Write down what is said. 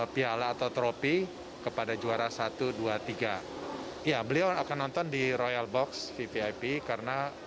pihan atau trofi kepada juara satu ratus dua puluh tiga ia beliau akan nonton di royal box vip karena